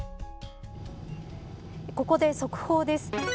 ここで速報です。